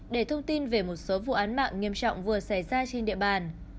để thông tin về một số vụ án mạng nghiêm trọng vừa xảy ra trên địa bàn